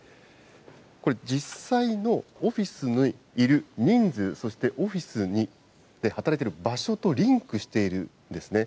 これ、実際のオフィスにいる人数、そしてオフィスで働いている場所とリンクしているんですね。